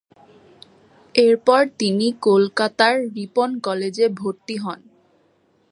এরপর তিনি কলকাতার রিপন কলেজে ভর্তি হন।